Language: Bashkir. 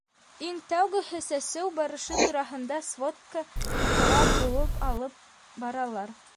Иң тәүгеһе - сәсеү барышы тураһында сводка һорап быуып алып баралар.